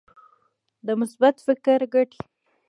د مثبت فکر ګټې.